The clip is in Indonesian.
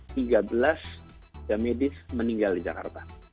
tiga belas medis meninggal di jakarta